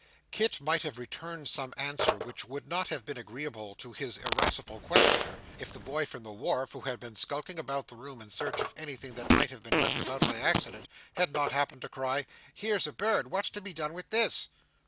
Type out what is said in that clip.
Kit might have returned some answer which would not have been agreeable to his irascible questioner, if the boy from the wharf, who had been skulking about the room in search of anything that might have been left about by accident, had not happened to cry, 'Here's a bird! What's to be done with this?